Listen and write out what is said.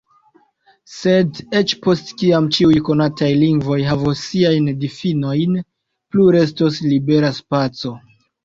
Sed eĉ post kiam ĉiuj konataj lingvoj havos siajn difinojn, plu restos libera spaco.